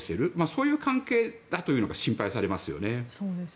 そういう関係だというのが心配されますよね。